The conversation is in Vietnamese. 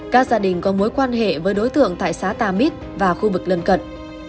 các gia đình có mối quan hệ với đối tượng tại xã tamít và khu vực lân cận